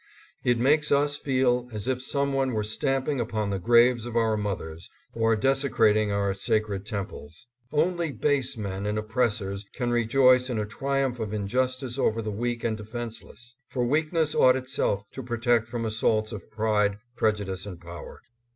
It makes us feel as if some one were stamping upon the graves of our mothers, or desecrating our sacred temples. Only base men and oppressors can rejoice in a triumph of injustice over the weak and defenseless ; for weakness ought itself to pro tect from assaults of pride, prejudice and power.